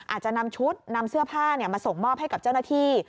อาจจะนำชุดนำเสื้อผ้ามาส่งมอบให้กับเจ้าหน้าที่